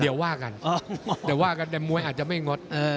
เดี๋ยวว่ากันแต่มวยอาจจะไม่งด